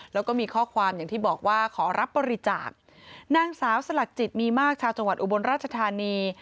แล้วก็มีข้อความอย่างที่บอกว่าขอรับบริจาคนางสาวสลักจิตมีมากชาวจังหวัดอุบลราชธานี